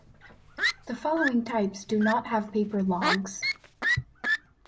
The following types do not have paper logs.